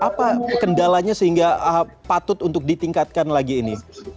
apa kendalanya sehingga patut untuk ditingkatkan lagi ini